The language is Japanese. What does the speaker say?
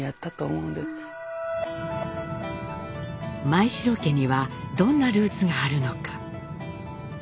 前城家にはどんなルーツがあるのか？